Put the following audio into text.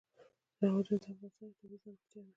سرحدونه د افغانستان یوه طبیعي ځانګړتیا ده.